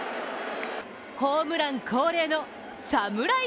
ホームラン恒例のサムライ